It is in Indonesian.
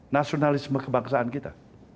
nasionalisme kebangsaan kita